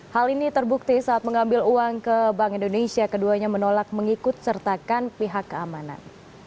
hal ini terbukti saat mengambil uang ke bank indonesia keduanya menolak mengikut sertakan pihak keamanan